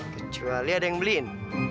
kecuali ada yang beliin